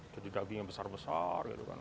jadi dagingnya besar besar gitu kan